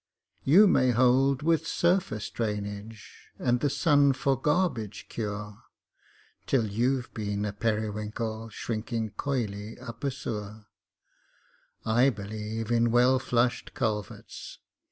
You may hold with surface drainage, and the sun for garbage cure, Till you've been a periwinkle shrinking coyly up a sewer. I believe in well flushed culverts